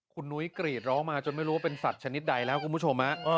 คุณนุ้ยกรีดร้องมาจนไม่รู้ว่าเป็นสัตว์ชนิดใดแล้วคุณผู้ชม